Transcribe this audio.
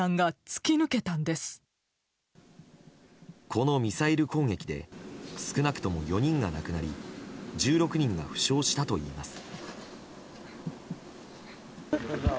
このミサイル攻撃で少なくとも４人が亡くなり１６人が負傷したといいます。